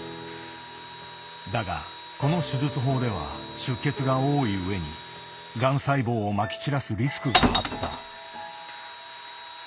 だがこの手術法では出血が多い上にがん細胞をまき散らすリスクがあった。